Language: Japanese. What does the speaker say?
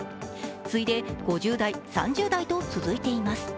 次いで５０代、３０代と続いています。